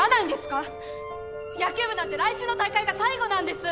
野球部なんて来週の大会が最後なんです。